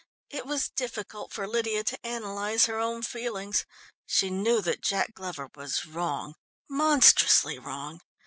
It was difficult for Lydia to analyse her own feelings. She knew that Jack Glover was wrong, monstrously wrong.